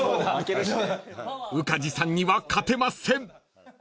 ［宇梶さんには勝てません］